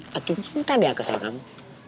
pakai cinta deh aku soal kamu